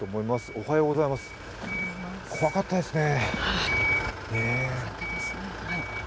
おはようございます、怖かったですね。